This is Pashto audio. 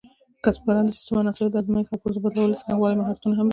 کسبګران د سیسټم عناصرو د ازمېښت او پرزو بدلولو څرنګوالي مهارتونه هم ولري.